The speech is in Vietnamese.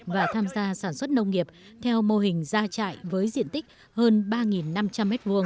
và tham gia sản xuất nông nghiệp theo mô hình ra trại với diện tích hơn ba năm trăm linh m hai